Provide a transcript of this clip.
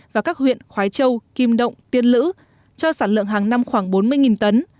và các huyện khói châu kim động tiên lữ cho sản lượng hàng năm khoảng bốn mươi tấn